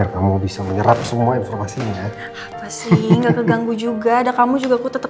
kamu bisa menyerap semua informasinya